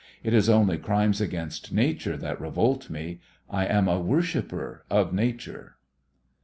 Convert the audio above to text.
It is only crimes against Nature that revolt me. I am a worshipper of Nature."